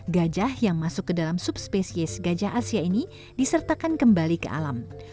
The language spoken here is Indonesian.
gajah yang masuk ke dalam subspesies gajah asia ini disertakan kembali ke alam